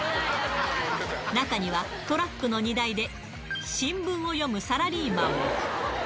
中には、トラックの荷台で新聞を読むサラリーマンも。